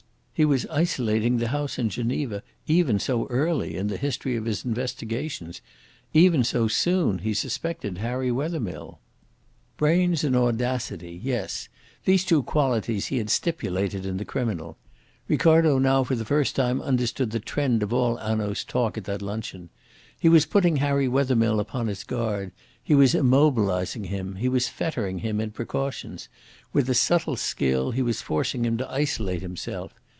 He was isolating the house in Geneva even so early in the history of his investigations, even so soon he suspected Harry Wethermill. Brains and audacity yes, these two qualities he had stipulated in the criminal. Ricardo now for the first time understood the trend of all Hanaud's talk at that luncheon. He was putting Harry Wethermill upon his guard, he was immobilising him, he was fettering him in precautions; with a subtle skill he was forcing him to isolate himself.